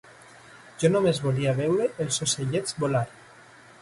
Jo només volia veure els ocellets volar